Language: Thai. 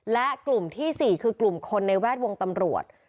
และกลุ่มที่๔คือกลุ่มคนในแวดวงตำรวจ